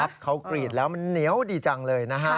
เขากรีดแล้วมันเหนียวดีจังเลยนะฮะ